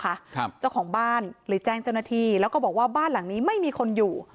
ครับเจ้าของบ้านเลยแจ้งเจ้าหน้าที่แล้วก็บอกว่าบ้านหลังนี้ไม่มีคนอยู่